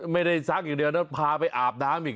ไม่ได้ซักอย่างเดียวแล้วพาไปอาบน้ำอีก